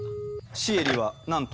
シエリは何と？